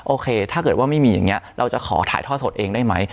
โอเคถ้าเกิดว่าไม่มีอย่างนี้เราจะขอถ่ายทอดสดเองได้ไหม